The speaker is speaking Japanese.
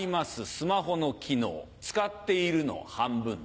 スマホの機能使っているの半分だ。